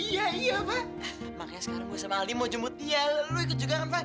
iya iya pak makanya sekarang gue sama ali mau jemput dia lu ikut juga kan pak